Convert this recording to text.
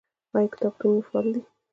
آیا کتابتونونه فعال دي؟